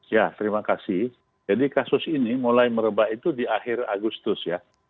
ya terima kasih jadi kasus ini mulai merebak itu di akhir agustus ya